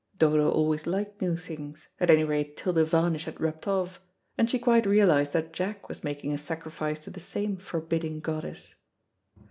Dodo always liked new things, at any rate till the varnish had rubbed off, and she quite realised that Jack was making a sacrifice to the same forbidding goddess.